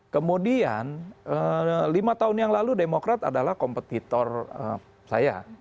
kemudian lima tahun yang lalu demokrat adalah kompetitor saya